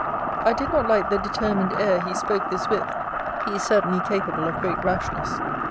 I did not like the determined air he spoke this with: he is certainly capable of great rashness.